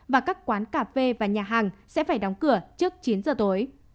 và các quán cà phê và nhà hàng sẽ phải đóng cửa trước chín giờ tối